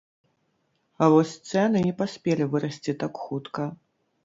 А вось цэны не паспелі вырасці так хутка.